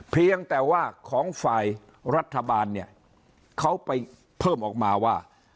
เพียงแต่ว่าของฝ่ายรัฐบาลเนี่ยเขาไปเพิ่มออกมาว่า